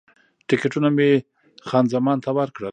ټکټونه مې خان زمان ته ورکړل.